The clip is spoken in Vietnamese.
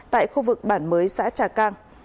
tại khu vực bản mới xã trà cang